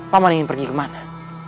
paman ingin pergi kemana